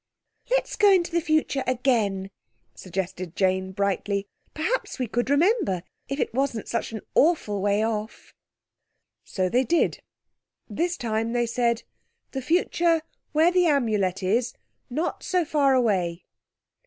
"Let's go into the future again," suggested Jane brightly. "Perhaps we could remember if it wasn't such an awful way off." So they did. This time they said, "The future, where the Amulet is, not so far away."